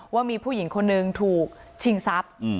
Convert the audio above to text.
ว่ามีผู้หญิงคนนึงถูกชิงทรัพย์